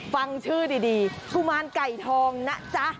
ฟังชื่อดีกุมารไก่ทองนะจ๊ะ